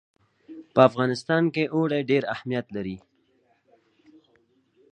په افغانستان کې اوړي ډېر اهمیت لري.